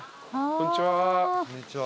こんにちは。